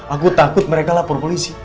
aku takut mereka lapor polisi